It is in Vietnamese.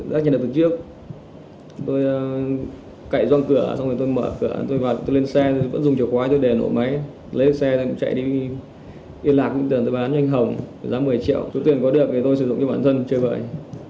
đã nhận được từ trước tôi cậy doang cửa xong rồi tôi mở cửa tôi lên xe tôi vẫn dùng chiếc khóa tôi để nổ máy lấy xe tôi chạy đi yên lạc tỉnh tường tôi bán nhanh hồng giá một mươi triệu số tiền có được thì tôi sử dụng cho bản thân chơi vợi